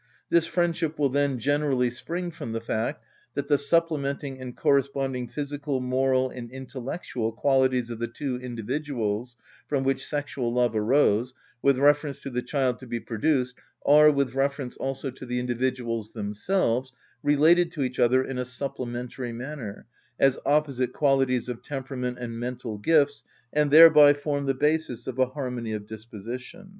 This friendship will then generally spring from the fact that the supplementing and corresponding physical, moral, and intellectual qualities of the two individuals, from which sexual love arose, with reference to the child to be produced, are, with reference also to the individuals themselves, related to each other in a supplementary manner as opposite qualities of temperament and mental gifts, and thereby form the basis of a harmony of disposition.